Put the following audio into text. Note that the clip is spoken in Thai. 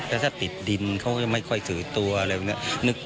แล้วถ้าติดดินเขาก็ไม่ค่อยถือตัวอะไรแบบนี้